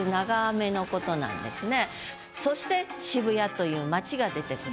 そして渋谷という街が出てくる。